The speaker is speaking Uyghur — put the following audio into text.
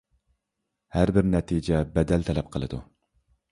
ھەربىر نەتىجە بەدەل تەلەپ قىلىدۇ.